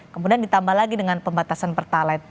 kemudian ditambah lagi dengan pembatasan pertalite